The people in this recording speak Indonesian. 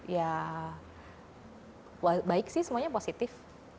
ya baik sih semuanya positif